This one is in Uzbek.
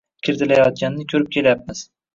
kiritilayotganini ko‘rib kelyapmiz.